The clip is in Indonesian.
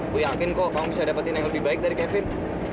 gue yakin kok kamu bisa dapetin yang lebih baik dari kevin